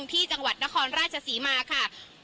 ที่จังหวัดนครราชศรีมาค่ะ